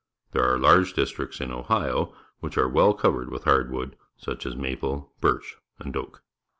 There are large dist ricts in Ohio which are well co\ered with hard wood, such as maple, birch, and oak.